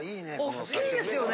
・大きいですよね